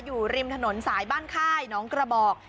อยู่ริมถนนสายบ้านค่ายน้องกระบอก